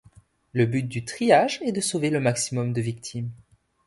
Le but du triage est de sauver le maximum de victimes.